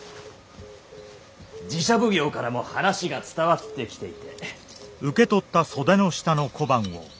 寺社奉行からも話が伝わってきていて。